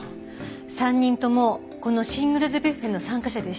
３人共このシングルズ・ビュッフェの参加者でした。